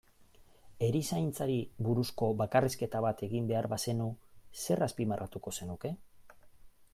Erizaintzari buruzko bakarrizketa bat egin behar bazenu, zer azpimarratuko zenuke?